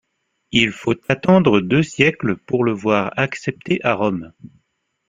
Il faut attendre deux siècles pour le voir accepté à Rome.